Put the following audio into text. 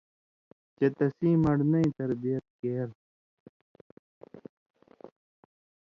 چے تسیں من٘ڑنَیں تربیت کېر